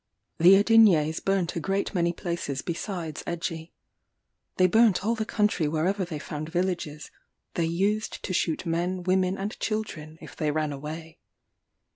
The Adinyés burnt a great many places besides Egie. They burnt all the country wherever they found villages; they used to shoot men, women, and children, if they ran away.